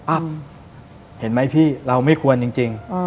เห็นไหมพี่เราไม่ควรจริง